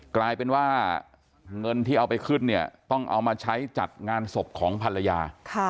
กลายเป็นว่าเงินที่เอาไปขึ้นเนี่ยต้องเอามาใช้จัดงานศพของภรรยา